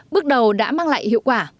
bước đầu đã mang lại hiệu quả